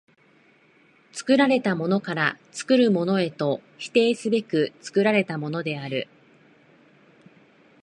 作られたものから作るものへと否定すべく作られたものである。